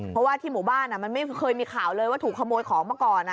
เพราะว่าที่หมู่บ้านมันไม่เคยมีข่าวเลยว่าถูกขโมยของมาก่อน